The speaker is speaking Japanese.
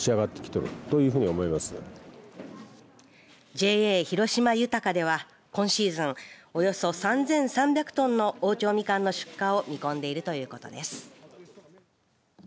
ＪＡ広島ゆたかでは今シーズンおよそ３３００トンの大長みかんの出荷を見込んでいるということです。